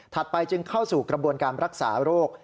ไปจึงเข้าสู่กระบวนการรักษาโรค